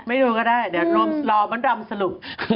ไม่ดูก็ได้เดี๋ยวรอบรรดำสรุป